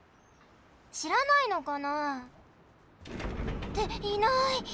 しらないのかな？っていない！